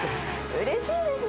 うれしいですね。